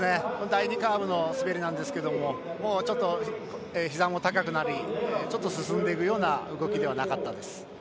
第２カーブの滑りなんですけどもひざも高くなりちょっと進んでいくような動きではなかったです。